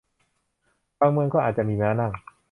บางเมืองก็อาจจะมีม้านั่ง